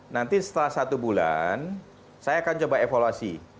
nanti setelah satu bulan saya akan coba evaluasi